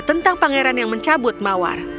tentang pangeran yang mencabut mawar